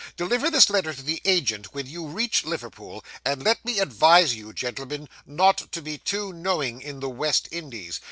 Deliver this letter to the agent when you reach Liverpool, and let me advise you, gentlemen, not to be too knowing in the West Indies.